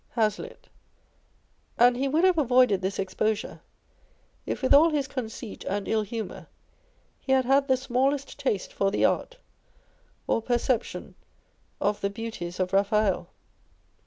Hazlitt. And he would have avoided this exposure, if with all his conceit and ill humour, he had had the smallest taste for the art, or perception of the beauties of Raphael.